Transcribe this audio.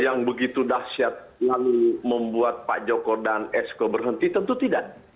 yang begitu dahsyat lalu membuat pak joko dan esko berhenti tentu tidak